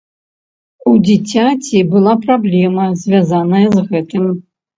У дзіцяці была праблема, звязаная з гэтым.